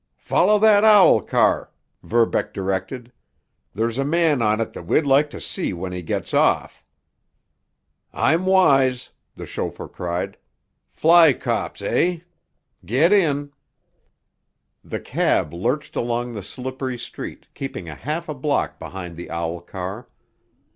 "Follow that owl car," Verbeck directed. "There's a man on it that we'd like to see when he gets off." "I'm wise," the chauffeur cried. "Fly cops, eh? Get in!" The cab lurched along the slippery street, keeping half a block behind the owl car.